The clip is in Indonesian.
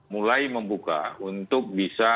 mulai membuka untuk bisa